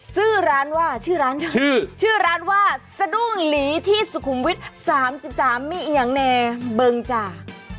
ชื่อร้านว่าชื่อร้านเธอชื่อชื่อร้านว่าสะดุ้งหลีที่สุขุมวิทย์๓๓มิเอียงเนเบิงจ่า